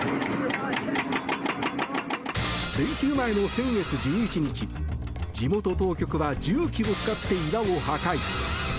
連休前の先月１１日、地元当局は重機を使って岩を破壊。